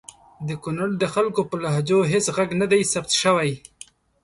د کنړ د خلګو په لهجو هیڅ ږغ ندی ثبت سوی!